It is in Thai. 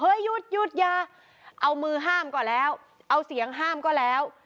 หยุดหยุดอย่าเอามือห้ามก็แล้วเอาเสียงห้ามก็แล้ว